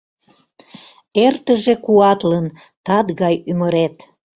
Эртыже куатлын тат гай ӱмырет.